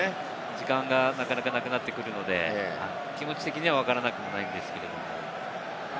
時間がなかなかなくなってくるので、気持ち的にはわからなくないんですけれども。